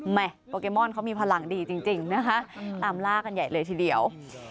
โปเกมอนเขามีพลังดีจริงนะคะตามล่ากันใหญ่เลยทีเดียว